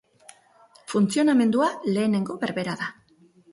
Funtzionamendua lehenengo berbera da.